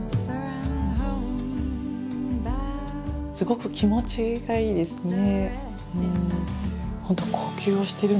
すごく気持ちがいいですね。